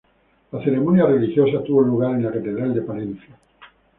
La ceremonia religiosa tuvo lugar en la catedral de Palencia.